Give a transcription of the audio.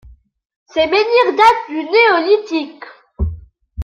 Ces menhirs datent du Néolithique.